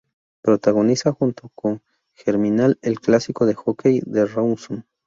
Protagoniza junto con Germinal el "clásico de hockey de Rawson".